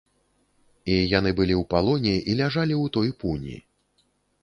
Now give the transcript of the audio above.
І яны былі ў палоне і ляжалі ў той пуні.